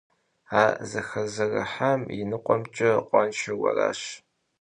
А зэхэзэрыхьам и ныкъуэмкӀэ къуаншэр уэращ.